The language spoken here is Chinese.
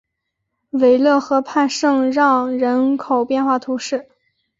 韦勒河畔圣让人口变化图示